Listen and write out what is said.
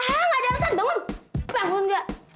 eh ga ada alasan bangun bangun ga